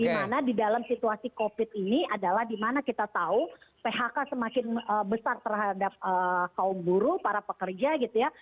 dimana di dalam situasi covid ini adalah dimana kita tahu phk semakin besar terhadap kaum buruh para pekerja gitu ya